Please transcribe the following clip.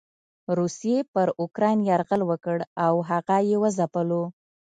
روسيې پر اوکراين يرغل وکړ او هغه یې وځپلو.